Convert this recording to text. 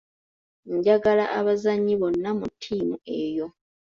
Njagala abazannyi bonna mu ttiimu eyo.